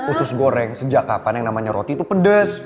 usus goreng sejak kapan yang namanya roti itu pedas